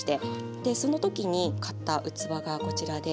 でその時に買った器がこちらで。